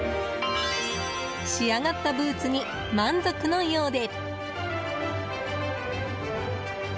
仕上がったブーツに満足のようで。